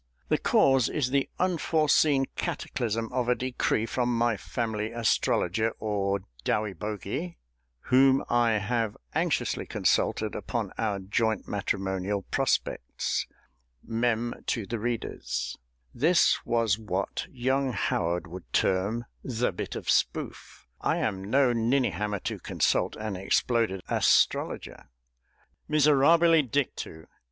The cause is the unforeseen cataclysm of a decree from my family astrologer or dowyboghee, whom I have anxiously consulted upon our joint matrimonial prospects. [MEM. TO THE READERS. This was what young ~HOWARD~ would term "~the bit of spoof~." I am no ninny hammer to consult an exploded astrologer!] _Miserabile dictu!